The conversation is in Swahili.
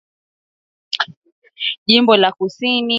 Jimbo la kusini ya kivu bantu abalimaki bya kurya na dawa